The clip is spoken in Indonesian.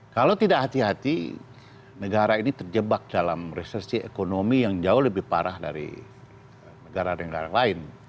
kalau tidak hati hati negara ini terjebak dalam resesi ekonomi yang jauh lebih parah dari negara negara lain